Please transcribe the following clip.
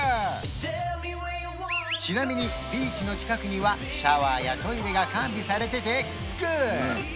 ちなみにビーチの近くにはシャワーやトイレが完備されててグッド！